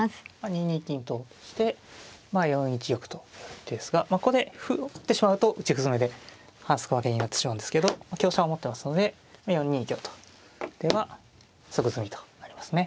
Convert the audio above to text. ２二金として４一玉と寄る一手ですがここで歩を打ってしまうと打ち歩詰めで反則負けになってしまうんですけど香車を持ってますので４二香と打てば即詰みとなりますね。